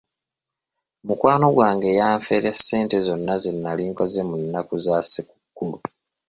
Mukwano gwange yanfera ssente zonna ze nali nkoze mu nnaku za ssekukkulu.